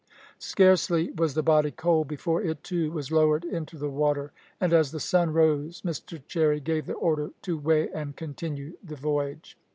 Scarcely was the body cold before it, too, was lowered into the water, and as the sun rose Mr Cherry gave the order to weigh and continue the voyage.